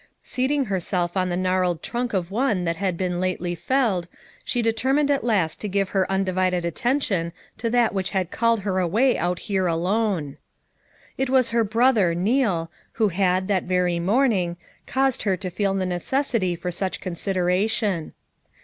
Seating herself on the gnarled trunk of one that had been lately felled she determined at last to give her un divided attention to that which had called her away out here alone. It was her brother, Neal, who had, that very morning, caused her to feel the necessity for such consideration.